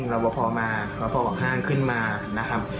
รับวภอห้างขึ้นมานะครับ